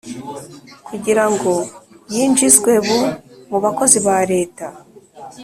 kugirango yinjizweb mubakozi bareta